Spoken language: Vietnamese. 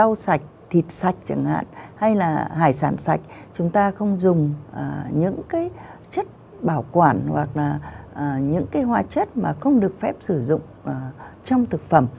rau sạch thịt sạch chẳng hạn hay là hải sản sạch chúng ta không dùng những cái chất bảo quản hoặc là những cái hóa chất mà không được phép sử dụng trong thực phẩm